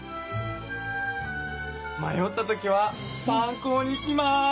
まよったときは参考にします。